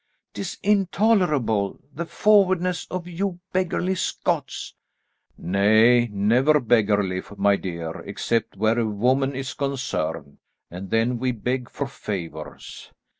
'Tis intolerable, the forwardness of you beggarly Scots!" "Nay, never beggarly, my dear, except where a woman is concerned, and then we beg for favours."